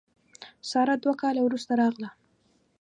ساره دوه کاله وروسته راغله.